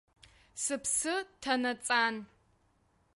Сыԥсы ҭанаҵан.